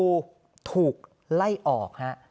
เมื่อกี้นี้ครับคุณครูถูกไล่ออก